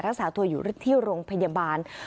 รักษาตัวอยู่ที่โรงพยาบาล